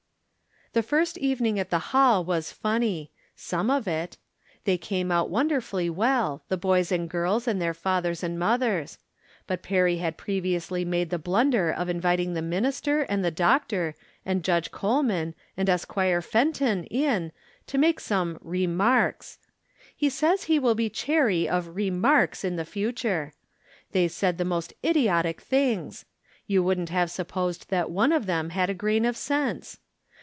The first evening at the hall was funny — some of it. They came out wonderfiilly well, the boys and girls and their fathers and mothers. But Perry had previously made the blunder of invit ing the minister, and the doctor, and Judge Col man, and Esquire Fenton, in, to make some re marks. He says he wUl be chary of " remarks " in the future. They said the most idiotic things ! You wouldn't have supposed that one of them had a grain of sense.